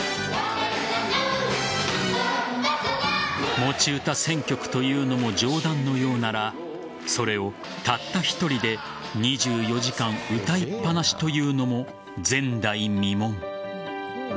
持ち歌１０００曲というのも冗談のようならそれをたった１人で２４時間歌いっ放しというのも前代未聞。